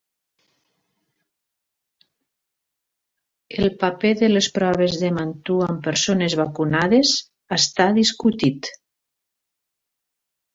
El paper de les proves de Mantoux en persones vacunades està discutit.